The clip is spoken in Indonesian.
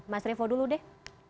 mas revo dulu deh